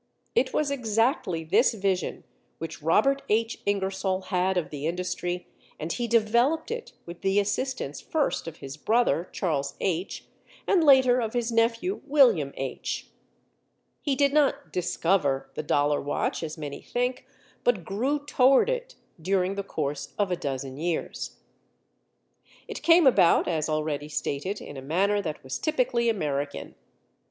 It was exactly this vision which Robert H. Ingersoll had of the industry and he developed it with the assistance first of his brother, Charles H. and later of his nephew, William H. He did not "discover" the dollar watch, as many think, but grew toward it during the course of a dozen years. It came about, as already stated, in a manner that was typically American.